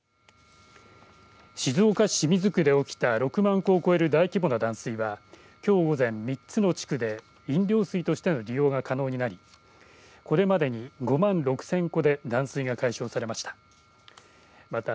静岡市清水区で起きた６万戸を超える大規模な断水はきょう午前、３つの地区で飲料水としての利用が可能になりこれまでに５万６０００戸で断水が解消されました。